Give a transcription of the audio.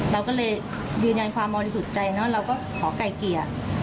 เราก็เลยยืนยันความมอลิสุทธิ์ใจเราก็ขอไกลเกียร์